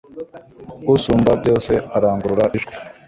usumba byose arangurura ijwi